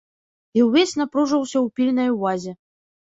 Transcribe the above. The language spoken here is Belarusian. І ўвесь напружыўся ў пільнай увазе.